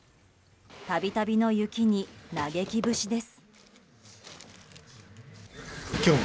度々の雪に嘆き節です。